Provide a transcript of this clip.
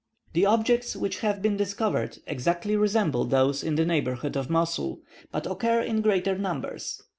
The objects which have been discovered exactly resemble those in the neighbourhood of Mosul, but occur in greater numbers.